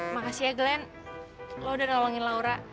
makasih ya glenn lo udah nolongin laura